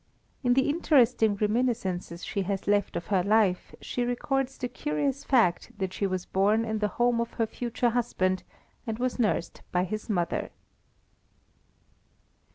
In the interesting reminiscences she has left of her life, she records the curious fact that she was born in the home of her future husband, and was nursed by his mother.